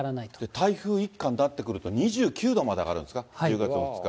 台風一過になってくると、２９度まで上がるんですか、１０月２日。